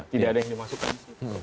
tidak ada yang dimasukkan